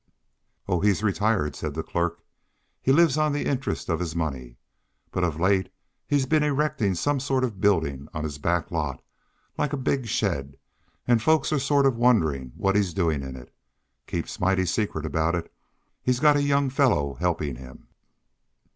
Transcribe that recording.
"Oh, he's retired," said the clerk. "He lives on the interest of his money. But of late he's been erecting some sort of a building on his back lot, like a big shed, and folks are sort of wondering what he's doing in it. Keeps mighty secret about it. He's got a young fellow helping him."